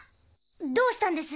どうしたんです？